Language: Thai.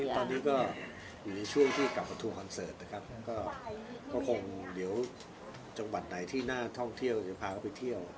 ตอนนี้ก็อยู่ในช่วงที่กลับมาทัวร์คอนเสิร์ตนะครับก็คงเดี๋ยวจังหวัดไหนที่น่าท่องเที่ยวจะพาเขาไปเที่ยว